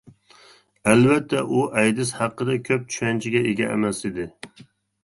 ئەلۋەتتە ئۇ ئەيدىز ھەققىدە كۆپ چۈشەنچىگە ئىگە ئەمەس ئىدى.